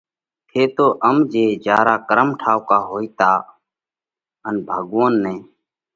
ٿيتو ام جي جيا را ڪرم ٺائُوڪا هوئيتا ان ڀڳوونَ نئہ